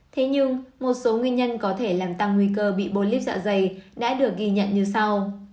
thế nhưng một số nguyên nhân có thể làm tăng nguy cơ bị bôi líp dạ dày đã được ghi nhận như sau